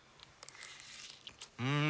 うん！